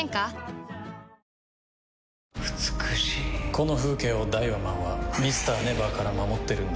この風景をダイワマンはＭｒ．ＮＥＶＥＲから守ってるんだ。